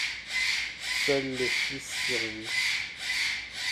Seul le fils, survit.